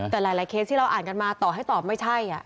แต่หลายเคสที่เราอ่านกันมาต่อให้ตอบไม่ใช่